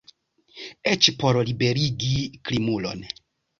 Eĉ por liberigi krimulon!